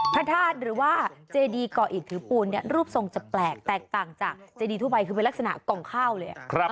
พระธาตุหรือว่าเจดีเกาะอิดถือปูนรูปทรงจะแปลกแตกต่างจากเจดีทั่วไปคือเป็นลักษณะกล่องข้าวเลย